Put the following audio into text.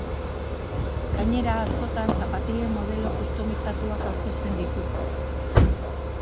Gainera, askotan zapatilen modelo kustomizatuak aurkezten ditu.